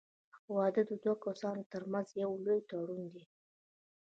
• واده د دوه کسانو تر منځ یو لوی تړون دی.